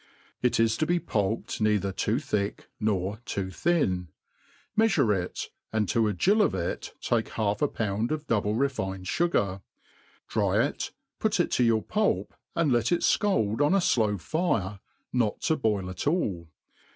It is to be pulped neither too thick nor too thin ; meafure it, and to a gill of it take half a pound of double^refined fugar ; dry it, put it to your pulp, and let it fcaLd on a flow fire, not to boil at all.